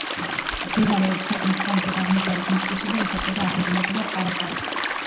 მდებარეობს ქვეყნის სამხრეთ-აღმოსავლეთ ნაწილში და ესაზღვრება არგენტინასა და პარაგვაის.